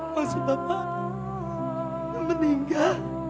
maksud bapak yang meninggal